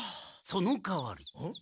そのかわり。